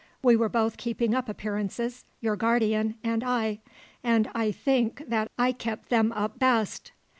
"We were both keeping up appearances, your guardian and I; and I think that I kept them up best.